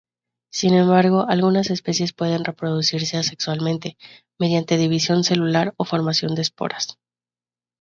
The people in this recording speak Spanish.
Sin embargo, algunas especies pueden reproducirse asexualmente, mediante división celular o formación de esporas.